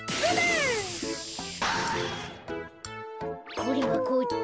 これはこっち。